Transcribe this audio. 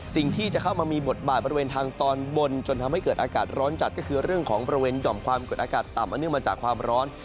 สิ่งที่จะเข้ามามีบทบาทบริเวณทางตอนบนจนทำให้เกิดอากาศร้อนจัดก็คือเรื่องของบริเวณหย่อมความกดอากาศต่ำอันเนื่องมาจากความร้อน